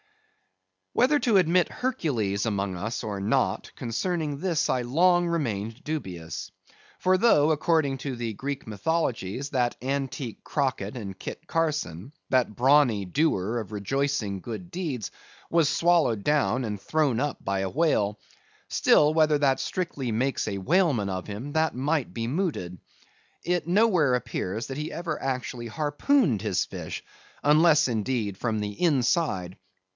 Whether to admit Hercules among us or not, concerning this I long remained dubious: for though according to the Greek mythologies, that antique Crockett and Kit Carson—that brawny doer of rejoicing good deeds, was swallowed down and thrown up by a whale; still, whether that strictly makes a whaleman of him, that might be mooted. It nowhere appears that he ever actually harpooned his fish, unless, indeed, from the inside.